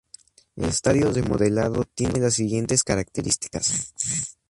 El estadio remodelado tiene las siguientes características.